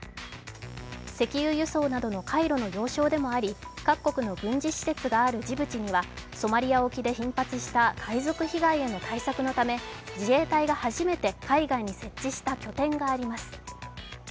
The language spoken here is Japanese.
石油輸送などの海路の要衝でもあり各国の軍事施設があるジブチにはソマリア沖で頻発した海賊被害の対策のため自衛隊が初めて海外に設置した拠点があります。